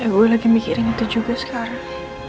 gue lagi mikirin itu juga sekarang